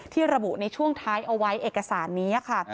ระบุในช่วงท้ายเอาไว้เอกสารนี้ค่ะ